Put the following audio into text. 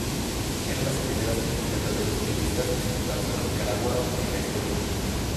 Eran las primeras clasificatorias mundialistas disputadas por Nicaragua en la historia.